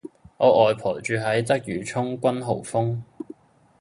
我外婆住喺鰂魚涌君豪峰